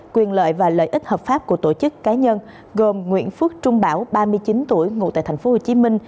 quyền lợi và lợi ích hợp pháp của tổ chức cá nhân gồm nguyễn phước trung bảo ba mươi chín tuổi ngụ tại tp hcm